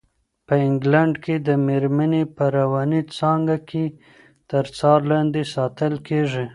په انګلنډ کې مېرمنې په رواني څانګه کې تر څار لاندې ساتل کېږي.